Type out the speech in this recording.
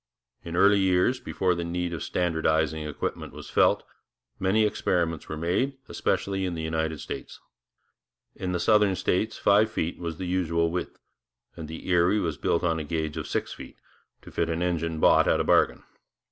In early years, before the need of standardizing equipment was felt, many experiments were made, especially in the United States. In the southern states five feet was the usual width, and the Erie was built on a gauge of six feet, to fit an engine bought at a bargain.